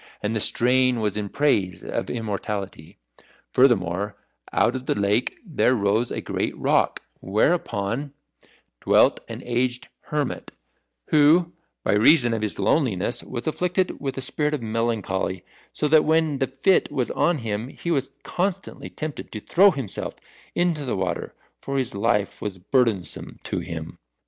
And the strain was in praise of immortality. Furthermore, out of the lake there rose a great rock, whereon dwelt an aged hermit, who by reason of his loneliness was afflicted with a spirit of melancholy; so that when the fit was on him, he was constantly tempted to throw himself into the water, for his life was burdensome to him.